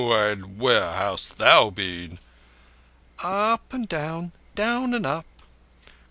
And where hast thou been?" "Up and down—down and up."